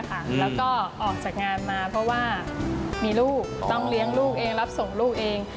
แล้วก็ออกจากงานมาเพราะว่ามีลูกต้องเลี้ยงลูกเองรับส่งลูกเอง